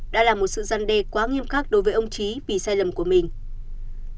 đã là một sự gian đề quá nghiêm khắc đối với ông trí vì sai lầm của mình